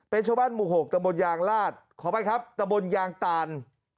เป็นชาวบ้านหมู่๖ตะบนยางลาดขออภัยครับตะบนยางตาน